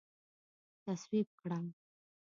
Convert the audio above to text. تصویب کړه